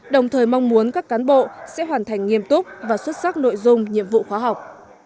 đồng thời mong muốn các cán bộ sẽ hoàn thành nghiêm túc và xuất sắc nội dung nhiệm vụ khóa học